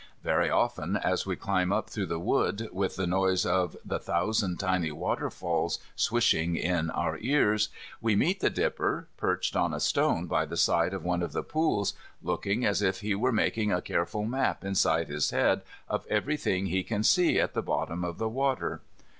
Very often, as we climb up through the wood, with the noise of the thousand tiny waterfalls swishing in our ears, we meet the dipper, perched on a stone by the side of one of the pools, looking as if he were making a careful map inside his head of everything he can see at the bottom of the water.